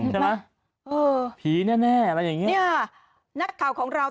ใช่ไหมผีแน่อะไรอย่างนี้นี่ค่ะนักข่าวของเรา